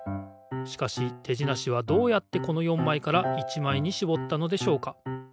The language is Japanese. しかし手じなしはどうやってこの４枚から１枚にしぼったのでしょうか？